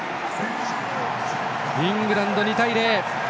イングランド、２対０！